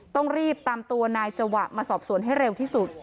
ต้องรีบตามตัวนายจวะมาสอบสวนให้เร็วที่สุด